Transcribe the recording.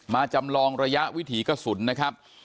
จำลองระยะวิถีกระสุนนะครับ